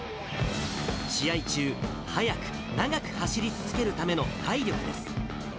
試合中、速く、長く走り続けるための体力です。